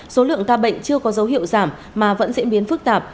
số lượng ca bệnh chưa có dấu hiệu giảm mà vẫn diễn biến phức tạp